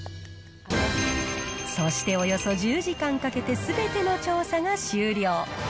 そしておよそ１０時間かけて、すべての調査が終了。